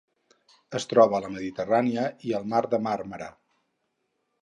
Es troba a la Mediterrània i al Mar de Màrmara.